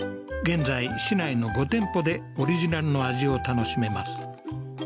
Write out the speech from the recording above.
現在市内の５店舗でオリジナルの味を楽しめます